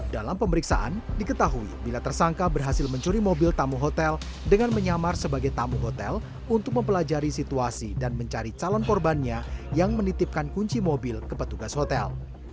dalam pemeriksaan diketahui bila tersangka berhasil mencuri mobil tamu hotel dengan menyamar sebagai tamu hotel untuk mempelajari situasi dan mencari calon korbannya yang menitipkan kunci mobil ke petugas hotel